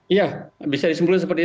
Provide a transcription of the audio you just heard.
iya bisa disimpulkan seperti itu